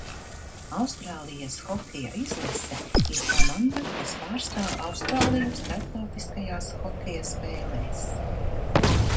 Austrālijas hokeja izlase ir komanda, kas pārstāv Austrāliju starptautiskajās hokeja spēlēs.